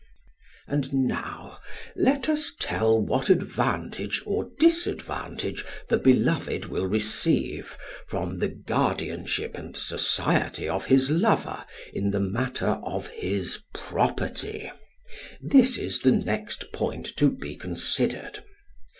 And now let us tell what advantage or disadvantage the beloved will receive from the guardianship and society of his lover in the matter of his property; this is the next point to be considered.